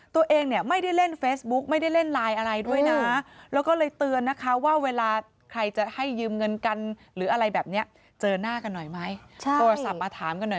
โทรศัพท์มาถามกันหน่อยไหม